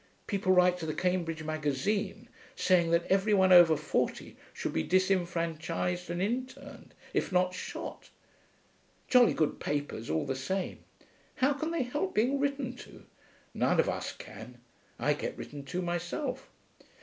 People write to the Cambridge Magazine saying that every one over forty should be disenfranchised and interned, if not shot. Jolly good papers, all the same. How can they help being written to? None of us can. I get written to myself....